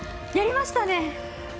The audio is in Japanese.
やりましたね！